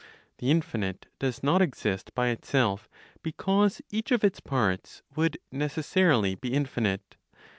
The infinite does not exist by itself, because each of its parts would necessarily be infinite.